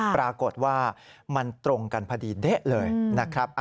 ปรากฏว่ามันตรงกันพอดีเด๊ะเลยนะครับ